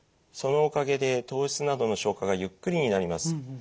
そのおかげで糖質などの消化がゆっくりになります。